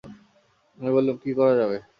আমি বললুম, কী করা যাবে?